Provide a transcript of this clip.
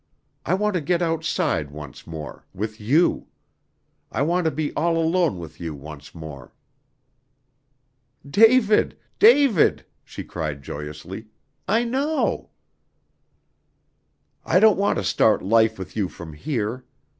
I want to get outside once more with you. I want to be all alone with you once more." "David! David!" she cried joyously, "I know." "I don't want to start life with you from here.